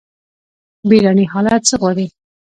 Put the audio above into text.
بیړني حالات څه غواړي؟